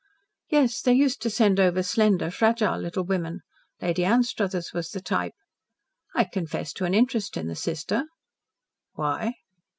"Yes, they used to send over slender, fragile little women. Lady Anstruthers was the type. I confess to an interest in the sister." "Why?"